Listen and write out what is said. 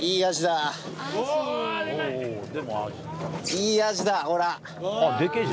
・いいアジだほら。